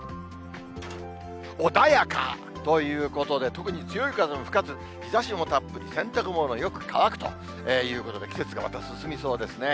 穏やかということで、特に強い風も吹かず、日ざしもたっぷり、洗濯物よく乾くということで、季節がまた進みそうですね。